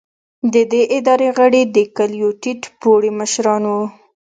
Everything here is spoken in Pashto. د دې ادارې غړي د کلیو ټیټ پوړي مشران وو.